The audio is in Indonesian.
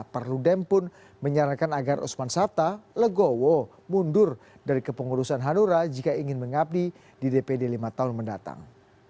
perludem pun menyarankan agar usman sabta legowo mundur dari kepengurusan hanura jika ingin mengabdi di dpd lima tahun mendatang